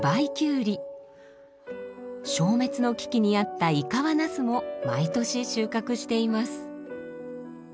消滅の危機にあった井川なすも毎年収穫しています。